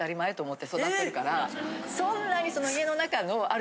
そんなに。